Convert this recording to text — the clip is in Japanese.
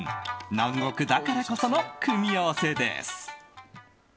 南国だからこその組み合わせです。